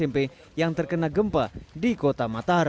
tim kejaksaan negeri mataram menangkap seorang kontraktor